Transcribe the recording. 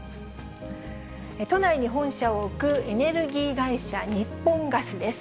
都内に本社を置くエネルギー会社、日本瓦斯です。